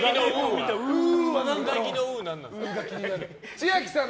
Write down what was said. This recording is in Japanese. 千秋さん！